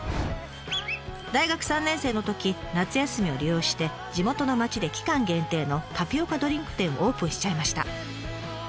大学３年生のとき夏休みを利用して地元の町で期間限定のタピオカドリンク店をオープンしちゃいました。